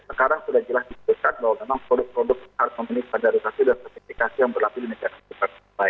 sekarang sudah jelas diperhatikan bahwa memang produk produk harus memenuhi spandaritasi dan sertifikasi yang berlaku di indonesia